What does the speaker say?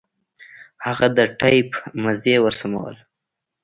هغه د ټېپ مزي ورسمول.